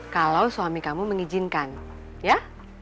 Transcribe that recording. kalau suami kamu mengizinkan ya